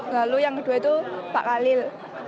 lalu yang kedua itu pak khalil